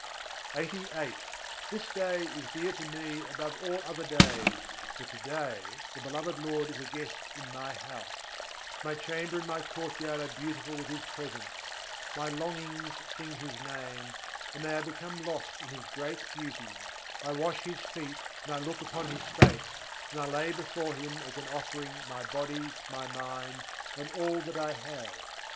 LXXXVIII III. 118. âj din ke main jaun balihârî This day is dear to me above all other days, for to day the Beloved Lord is a guest in my house; My chamber and my courtyard are beautiful with His presence. My longings sing His Name, and they are become lost in His great beauty: I wash His feet, and I look upon His Face; and I lay before Him as an offering my body, my mind, and all that I have.